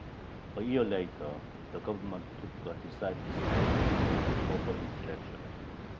A year later the Government took a decided step in the opposite direction.